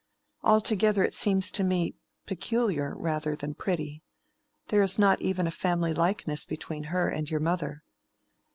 Altogether it seems to me peculiar rather than pretty. There is not even a family likeness between her and your mother."